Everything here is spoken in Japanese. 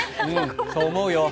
そう思うよ。